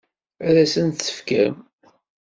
Ad asent-t-tefkem?